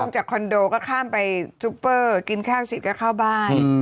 จากคอนโดก็ข้ามไปซุปเปอร์กินข้าวเสร็จก็เข้าบ้าน